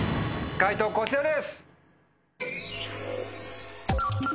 解答こちらです。